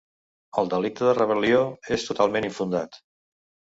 El delicte de rebel·lió és totalment infundat.